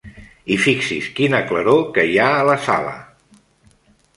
I fixi's quina claror que hi ha a la sala!